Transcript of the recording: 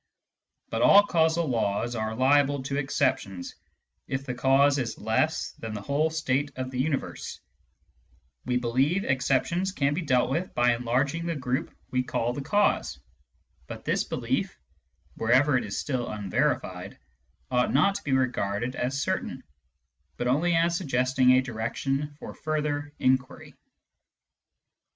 But all causal laws are liable to exceptions, if the cause is less than the whole state of the universe ; we believe, on the basis of a good deal of experience, that such exceptions can be dealt with by enlarging the group we call the cause, but this belief, wherever it is still unverified, ought not to be regarded as certain, but only as suggesting a direction for further inquiry.